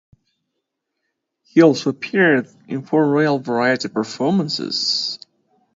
He also appeared in four Royal Variety Performances.